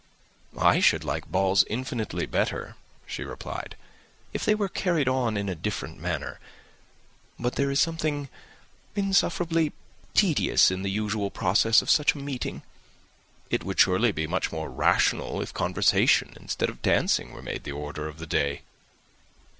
"I should like balls infinitely better," she replied, "if they were carried on in a different manner; but there is something insufferably tedious in the usual process of such a meeting. It would surely be much more rational if conversation instead of dancing made the order of the day."